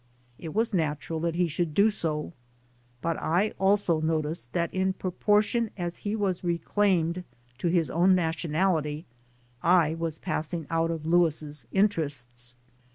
It was natural that he should do so. But I also noticed that in proportion as he was reclaimed to his own nationality, I was passing out of Louis' interests.